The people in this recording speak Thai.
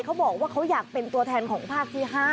เขาบอกว่าเขาอยากเป็นตัวแทนของภาคที่๕